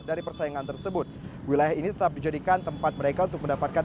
dari persaingan tersebut wilayah ini tetap dijadikan tempat mereka untuk mendapatkan